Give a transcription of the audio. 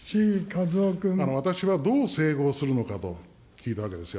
私はどう整合するのかと聞いたわけですよ。